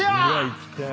行きたい。